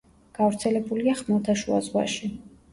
გავრცელებულია ხმელთაშუა ზღვაში.